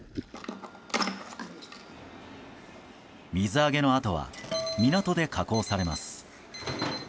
水揚げのあとは港で加工されます。